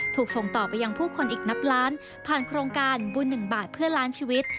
ถูกส่งต่อไปยังผู้คนอีกนับล้านผ่านโครงการบุญ๑บาทเพื่อล้านชีวิต